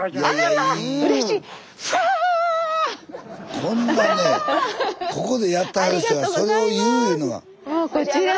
こんなねここでやってはる人がそれを言ういうのが。